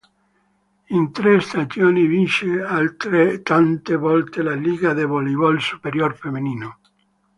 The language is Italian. In tre stagioni vince altrettante volte la Liga de Voleibol Superior Femenino.